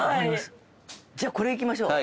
じゃあこれいきましょう。